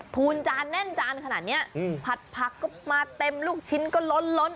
พูนจานแน่นจานขนาดเนี้ยอืมผัดผักก็มาเต็มลูกชิ้นก็ล้นล้น